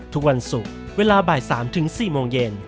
ทุกวันศุกร์เวลาบ่าย๓๔โมงเย็น